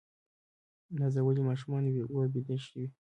نازولي ماشومان وه بیده شوي